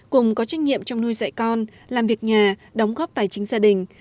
cùng có trách nhiệm trong nuôi dạy con làm việc nhà đóng góp tài chính gia đình